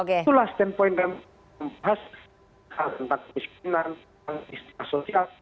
itulah standpoint dan bahas tentang kemiskinan tentang istilah sosial